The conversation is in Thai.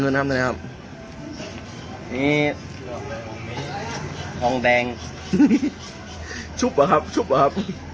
เนื้อน้ำได้ไหมครับนี่ทองแดงชุบหรอครับชุบหรอครับ